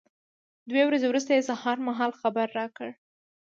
دوې ورځې وروسته یې سهار مهال خبر را کړ.